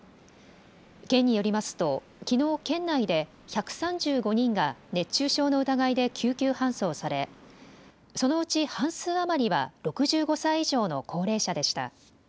県によりますときのう県内で１３５人が熱中症の疑いで救急搬送されそのうち半数余りは６５歳以上の高齢者でした。